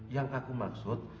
yang aku maksud